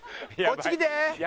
こっち来て！